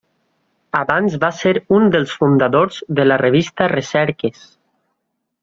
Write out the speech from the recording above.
Abans va ser un dels fundadors de la revista Recerques.